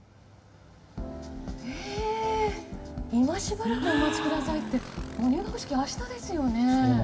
今しばらくお待ちくださいってもう入学式、明日ですよね。